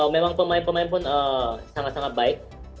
memang pemain pemain sangat baik